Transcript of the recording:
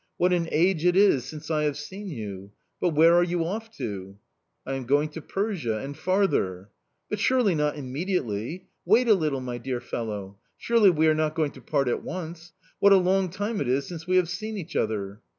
"What an age it is since I have seen you!... But where are you off to?"... "I am going to Persia and farther."... "But surely not immediately?... Wait a little, my dear fellow!... Surely we are not going to part at once?... What a long time it is since we have seen each other!"...